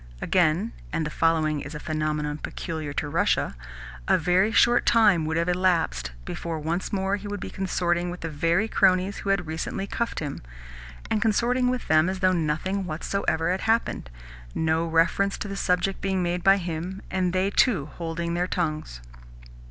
Again (and the following is a phenomenon peculiar to Russia) a very short time would have elapsed before once more he would be consorting with the very cronies who had recently cuffed him and consorting with them as though nothing whatsoever had happened no reference to the subject being made by him, and they too holding their tongues.